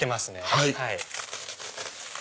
はい。